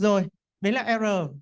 rồi đấy là error